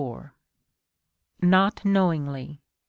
Not knowingly.